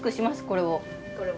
これを。